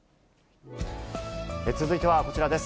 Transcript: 続いてはこちらです。